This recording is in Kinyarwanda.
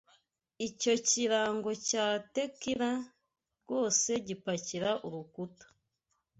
Icyo kirango cya tequila rwose gipakira urukuta.